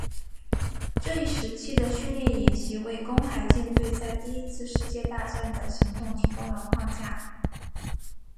这一时期的训练演习为公海舰队在第一次世界大战的行动提供了框架。